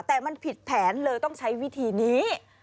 แต่มันผิดแผนเลยต้องใช้วิธีนี้